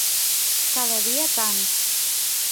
Cada dia tant.